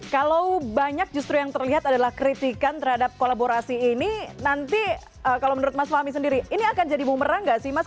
kalau banyak justru yang terlihat adalah kritikan terhadap kolaborasi ini nanti kalau menurut mas fahmi sendiri ini akan jadi bumerang nggak sih mas